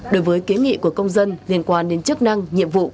đối với kế nghị của công dân